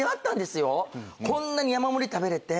こんなに山盛り食べれて。